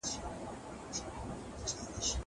زه کښېناستل کړي دي.